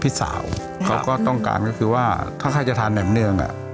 พี่สาวเขาก็ต้องการก็คือว่าถ้าใครจะทานแหมเนืองอ่ะ